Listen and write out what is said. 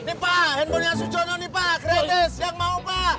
nih pak handphone nya su jono nih pak gratis yang mau pak